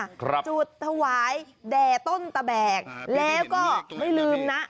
ครับจุดถวายแด่ต้นตะแบกแล้วก็ไม่ลืมนะ